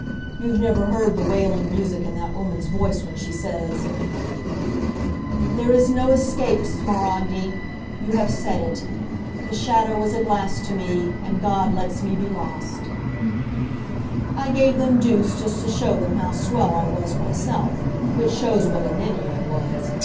You've never heard the wailing music in that woman's voice when she says: "There is no escape, Smaragdi. You have said it; The shadow is a glass to me, and God Lets me be lost." I gave them Duse just to show them how swell I was myself; which shows what a ninny I was.